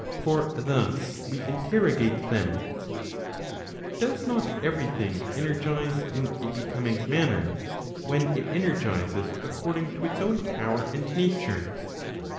For thus we interrogate them: does not every thing energize in a becoming manner when it energizes according to its own power and nature